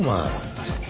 確かに。